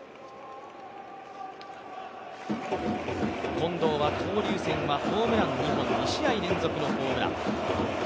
近藤は交流戦はホームランは２本２試合連続のホームラン。